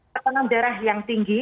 ketanjang darah yang tinggi